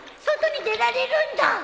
外に出られるんだ！